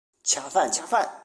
恰饭